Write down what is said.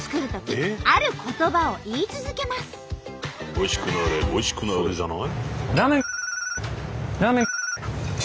「おいしくなれおいしくなれ」じゃない？